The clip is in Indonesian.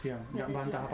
tidak bantah apa apa